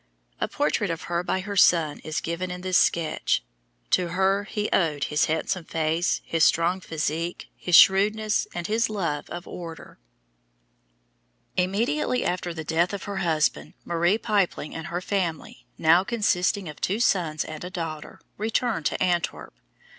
A portrait of her by her son is given in this sketch. To her he owed his handsome face, his strong physique, his shrewdness and his love of order. [Illustration: RUBENS' DAUGHTER Rubens] Immediately after the death of her husband, Marie Pypeling and her family, now consisting of two sons and a daughter, returned to Antwerp.